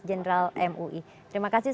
general mui terima kasih